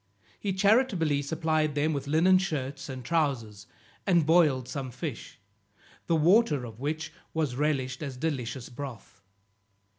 He charitably supplied them with linen shirts and trowsers, and boiled some fish, the water of which was relished as delicious broth.